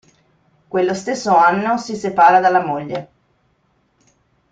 Quello stesso anno si separa dalla moglie.